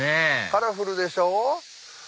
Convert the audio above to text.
カラフルでしょ。